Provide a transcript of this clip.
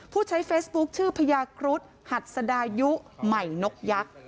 ผู้ใช้เฟซบุ๊คชื่อพญาครุฑหัสดายุใหม่นกยักษ์